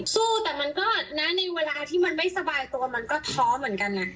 สู้แต่มันก็นะในเวลาที่มันไม่สบายตัวมันก็ท้อเหมือนกันนะ